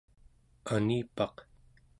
anipaq